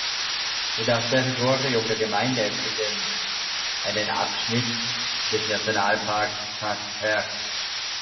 Das Territorium der Gemeinde bildet einen Abschnitt des Nationalparks Cinque Terre.